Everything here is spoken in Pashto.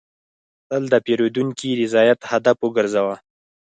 تل د پیرودونکي رضایت هدف وګرځوه.